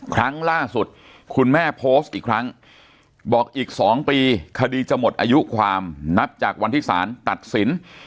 ครั้งล่าสุดคุณแม่โพสต์อีกครั้งบอกอีก๒ปีคดีจะหมดอายุความนับจากวันที่สารตัดสิน